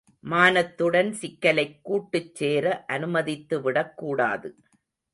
மான த்துடன் சிக்கலைக் கூட்டுச்சேர அனுமதித்துவிடக்கூடாது.